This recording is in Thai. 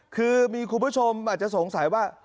คือมีคุณผู้ชมอาจจะสงสัยว่า